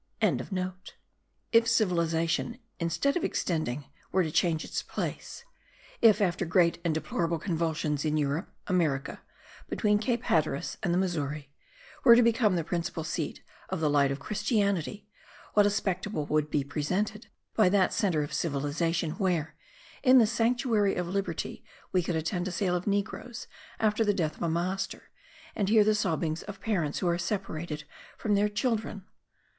If civilization, instead of extending, were to change its place; if, after great and deplorable convulsions in Europe, America, between Cape Hatteras and the Missouri, were to become the principal seat of the light of Christianity, what a spectacle would be presented by that centre of civilization, where, in the sanctuary of liberty, we could attend a sale of negroes after the death of a master, and hear the sobbings of parents who are separated from their children!